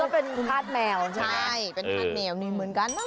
เป็นภาพแมวใช่ไหม